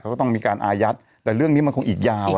เขาก็ต้องมีการอายัดแต่เรื่องนี้มันคงอีกยาว